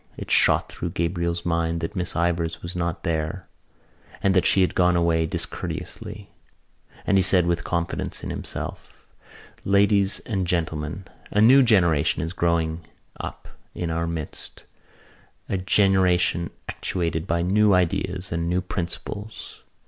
It shot through Gabriel's mind that Miss Ivors was not there and that she had gone away discourteously: and he said with confidence in himself: "Ladies and Gentlemen, "A new generation is growing up in our midst, a generation actuated by new ideas and new principles.